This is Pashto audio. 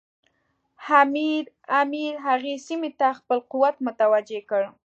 امیر هغې سیمې ته خپل قوت متوجه کړ.